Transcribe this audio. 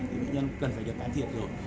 thì bệnh nhân cần phải được bán thiệt rồi